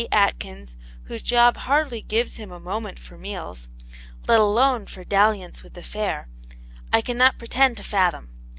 Atkins whose job hardly gives him a moment for meals let alone for dalliance with the fair I cannot pretend to fathom.